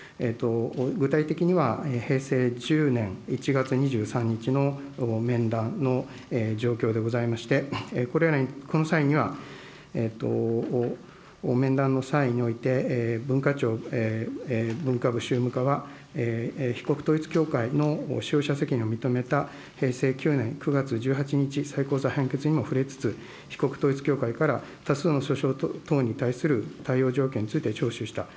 具体的には、平成１０年１月２３日の面談の状況でございまして、この際には、面談の際において、文化庁文化部宗務課は被告統一教会の使用者責任を認めた平成９年９月１８日、最高裁判決にも触れつつ、被告統一教会から多数の訴訟等に対する対応状況について聴取した。